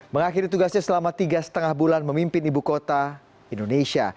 mengakhiri tugasnya selama tiga lima bulan memimpin ibu kota indonesia